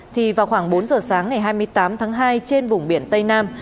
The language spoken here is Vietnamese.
thì vào khoảng bốn giờ sáng ngày hai mươi tám tháng hai trên vùng biển tây nam